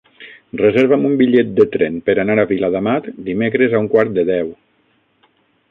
Reserva'm un bitllet de tren per anar a Viladamat dimecres a un quart de deu.